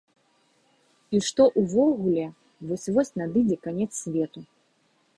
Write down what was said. І што ўвогуле вось-вось надыдзе канец свету.